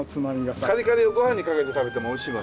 カリカリをご飯にかけて食べても美味しいもんね。